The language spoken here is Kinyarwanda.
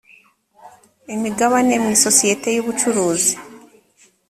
imigabane mu isosiyete y ubucuruzi